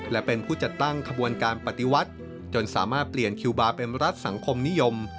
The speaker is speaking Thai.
และเป็นผู้จัดตั้งขบวนการปฏิวัติจนสามารถเปลี่ยนคิวบาร์เป็นรัฐสังคมนิยม